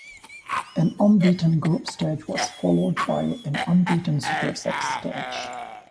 An unbeaten group stage was followed by an unbeaten Super Six stage.